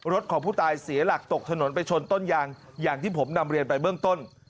รถของผู้ตายเสียหลักตกถนนไปชนต้นยางอย่างที่ผมนำเรียนไปเบื้องต้น